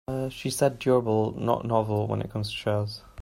She said durable not novel when it comes to chairs.